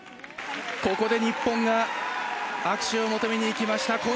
ここで日本が握手を求めに行きました。